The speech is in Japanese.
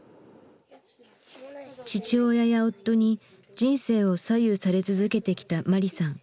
父親や夫に人生を左右され続けてきたマリさん。